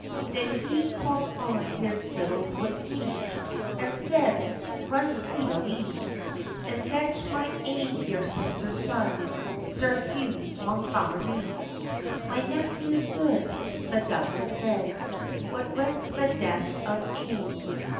Then he calld on his little foot page, And said—"Run speedilie, And fetch my ain dear sister's son, Sir Hugh Montgomery. "My nephew good," the Douglas said, "What recks the death of ane!